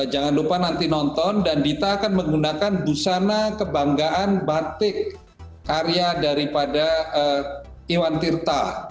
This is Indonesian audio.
jangan lupa nanti nonton dan dita akan menggunakan busana kebanggaan batik karya daripada iwan tirta